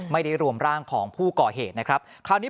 ไม่ได้รวมร่างของผู้ก่อเหตุนะครับคราวนี้